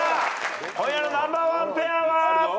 今夜のナンバーワンペアは。